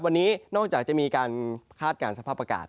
วันนี้นอกจากจะมีการคาดการณ์สภาพอากาศ